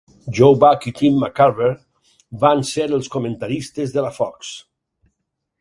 Joe Buck i Tim McCarver van ser els comentaristes de la Fox.